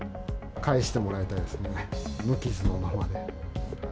返してもらいたいですね、無傷のままで。